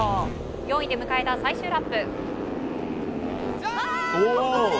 ４位で迎えた最終ラップ。